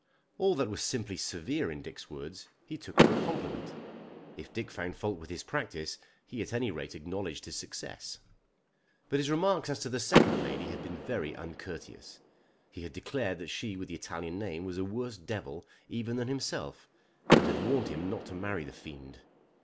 All that was simply severe in Dick's words he took for a compliment. If Dick found fault with his practice he at any rate acknowledged his success. But his remarks as to the second lady had been very uncourteous. He had declared that she with the Italian name was a worse devil even than himself, and had warned him not to marry the fiend.